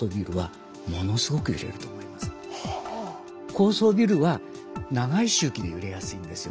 高層ビルは長い周期で揺れやすいんですよね。